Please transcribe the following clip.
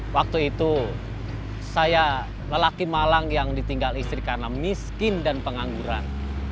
waktu itu saya lelaki malang yang ditinggal istri karena miskin dan pengangguran